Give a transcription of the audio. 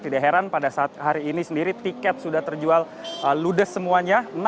tidak heran pada saat hari ini sendiri tiket sudah terjual ludes semuanya